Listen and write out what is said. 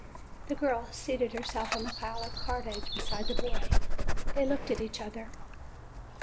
The girl seated herself on the pile of cordage beside the boy. They looked at each other.